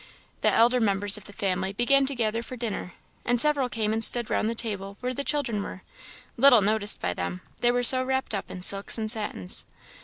The elder members of the family began to gather for dinner, and several came and stood round the table where the children were; little noticed by them, they were so wrapped up in silks and satins.